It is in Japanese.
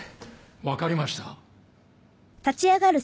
わかりました。